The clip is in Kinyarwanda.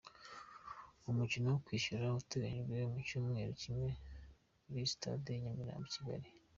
Umukino wo kwishyura uteganyijwe mu cyumweru kimwe kuri Sitade i Nyamirambo i Kigali.